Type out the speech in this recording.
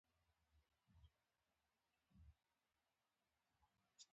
ددې دروازې شاوخوا سیمه په څلورو برخو وېشل شوې ده.